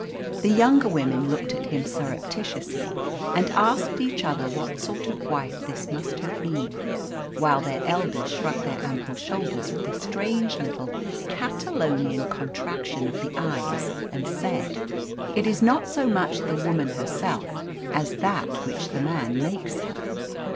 The younger women looked at him surreptitiously, and asked each other what sort of wife this must have been; while their elders shrugged their ample shoulders with a strange little Catalonian contraction of the eyes, and said "It is not so much the woman herself as that which the man makes her."